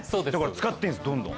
使っていいんですどんどん。